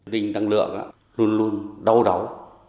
tình tăng lượng luôn luôn đau đáu